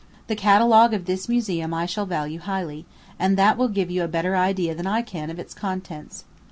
The catalogue of this museum I shall value highly, and that will give you a better idea than I can of its contents.